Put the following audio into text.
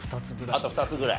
あと２つぐらい？